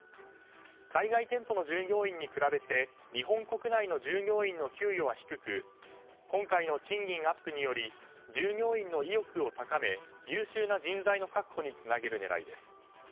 海外店舗の従業員に比べて日本国内の従業員の給与は低く今回の賃金アップにより従業員の意欲を高め優秀な人材の確保につなげる狙いです。